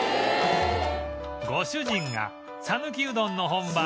ご主人が讃岐うどんの本場